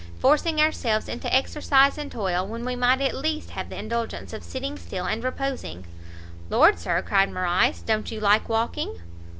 forcing ourselves into exercise and toil, when we might at least have the indulgence of sitting still and reposing!" "Lord, Sir," cried Morrice, "don't you like walking?"